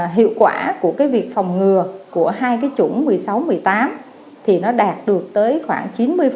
hiệu quả của cái việc phòng ngừa của hai cái chủng một mươi sáu một mươi tám thì nó đạt được tới khoảng chín mươi